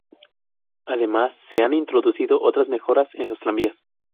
Además se han introducido otras mejoras en los tranvías.